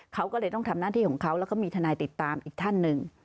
เขาก็เลยต้องทำหน้าที่ของเขาแล้วก็มีทนายติดตามอีกท่านหนึ่ง